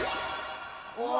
うわ！